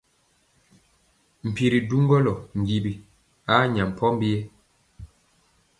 Mpi ri duŋgɔlɔ njiwi a nya pombiyɛ.